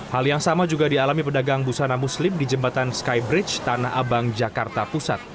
hal yang sama juga dialami pedagang busana muslim di jembatan skybridge tanah abang jakarta pusat